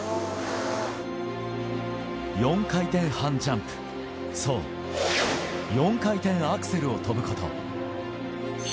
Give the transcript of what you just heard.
４回転半ジャンプ、そう、４回転アクセルを跳ぶこと。